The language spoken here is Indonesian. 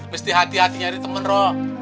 mesti hati hati nyari temen roh